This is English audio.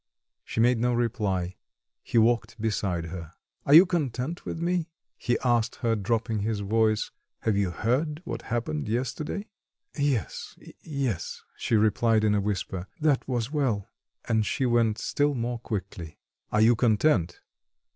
She made no reply; he walked beside her. "Are you content with me?" he asked her, dropping his voice. "Have you heard what happened yesterday?" "Yes, yes," she replied in a whisper, "that was well." And she went still more quickly. "Are you content?"